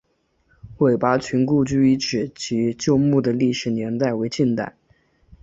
韦拔群故居遗址及旧墓的历史年代为近代。